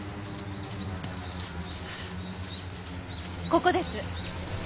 ここです。